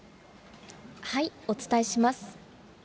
お伝えします。